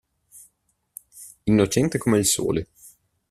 Innocente come il sole!